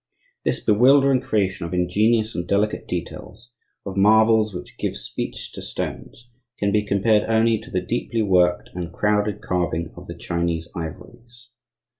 This bewildering creation of ingenious and delicate details, of marvels which give speech to stones, can be compared only to the deeply worked and crowded carving of the Chinese ivories.